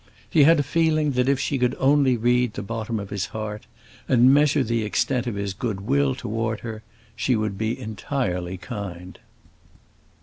He had a feeling that if she could only read the bottom of his heart and measure the extent of his good will toward her, she would be entirely kind.